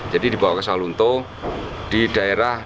jadi dibawa ke soeh lunto di daerah